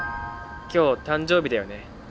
今日誕生日だよね。